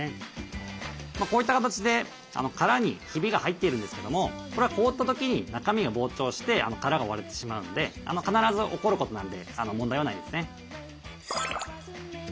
こういった形で殻にひびが入っているんですけどもこれは凍った時に中身が膨張して殻が割れてしまうので必ず起こることなんで問題はないですね。